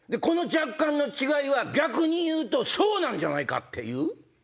この若干の違いは逆に言うとそうなんじゃないかっていう。